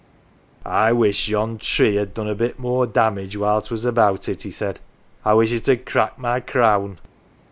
" I wish yon tree 'ad done a bit more damage while 'twas about it," he said. " I wish it 'ad cracked my crown.